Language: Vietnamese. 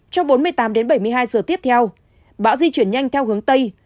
trong bốn mươi tám đến bảy mươi hai giờ tiếp theo bão di chuyển nhanh theo hướng tây